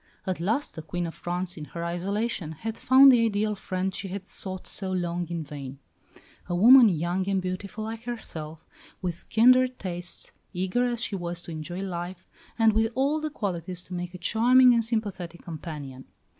At last the Queen of France, in her isolation, had found the ideal friend she had sought so long in vain; a woman young and beautiful like herself, with kindred tastes, eager as she was to enjoy life, and with all the qualities to make a charming and sympathetic companion.